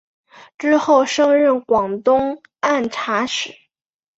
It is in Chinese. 之后升任广东按察使。